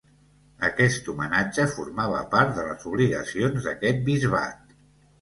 Aquest homenatge formava part de les obligacions d'aquest bisbat.